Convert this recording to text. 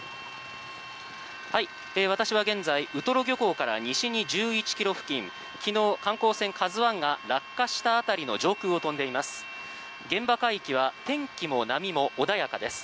私は現在ウトロ漁港から西に１１ｋｍ付近昨日、観光船「ＫＡＺＵ１」が落下した辺りの上空を飛んでいます。